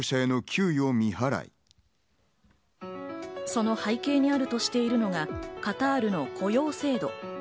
その背景にあるとしているのが、カタールの雇用制度。